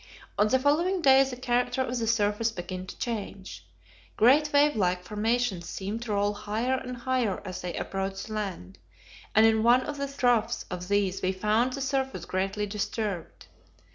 On the following day the character of the surface began to change; great wave like formations seemed to roll higher and higher as they approached the land, and in one of the troughs of these we found the surface greatly disturbed.